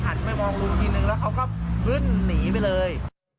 ไปมองลุงทีนึงแล้วเขาก็บึ้นหนีไปเลย